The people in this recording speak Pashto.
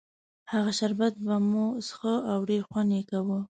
هغه شربت به مو څښه او ډېر خوند یې کاوه.